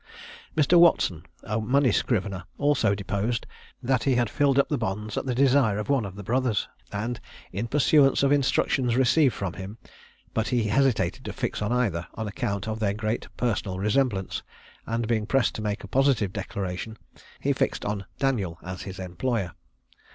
Mr. Watson, a money scrivener, also deposed, that he had filled up the bonds at the desire of one of the brothers, and in pursuance of instructions received from him; but he hesitated to fix on either, on account of their great personal resemblance; and being pressed to make a positive declaration, he fixed on Daniel as his employer.